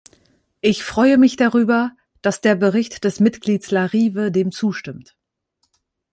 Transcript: Ich freue mich darüber, dass der Bericht des Mitglieds Larive dem zustimmt.